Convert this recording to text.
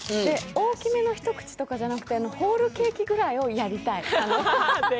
大きめの一口とかじゃなくてホールケーキぐらいをやりたい。